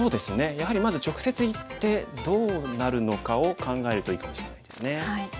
やはりまず直接いってどうなるのかを考えるといいかもしれないですね。